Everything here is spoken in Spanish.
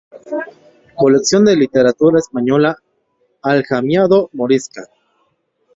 Dirigió la "Colección de literatura española aljamiado-morisca".